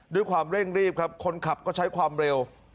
ด้วยความเร่งรีบครับคนขับก็ใช้ความเร็ว